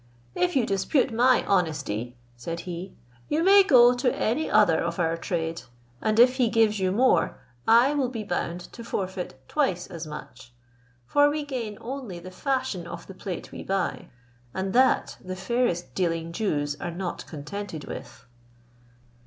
"If you dispute my honesty," said he, "you may go to any other of our trade, and if he gives you more, I will be bound to forfeit twice as much; for we gain only the fashion of the plate we buy, and that the fairest dealing Jews are not contented with."